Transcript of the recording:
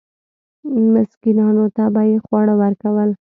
مسکینانو ته به یې خواړه ورکول.